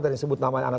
yang disebut namanya